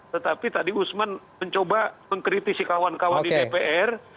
tetapi tadi usman mencoba mengkritisi kawan kawan di dpr